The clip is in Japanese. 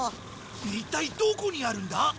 一体どこにあるんだ？